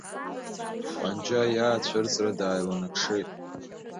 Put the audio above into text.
Панџьа иаацәырҵра дааиланакшеит.